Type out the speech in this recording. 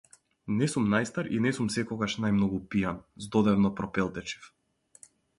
Не сум најстар и не сум секогаш најмногу пијан, здодевно пропелтечив.